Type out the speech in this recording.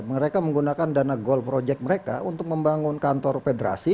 mereka menggunakan dana gold project mereka untuk membangun kantor federasi